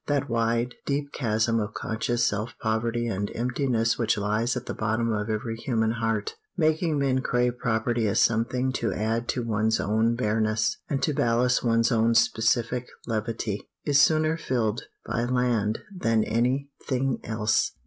That wide, deep chasm of conscious self poverty and emptiness which lies at the bottom of every human heart, making men crave property as something to add to one's own bareness, and to ballast one's own specific levity, is sooner filled by land than any thing else.